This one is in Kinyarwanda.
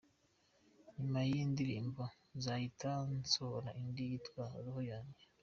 Nyuma y’iyi ndirimbo nzahita nsohora indi yitwa ‘Roho yanjye’”.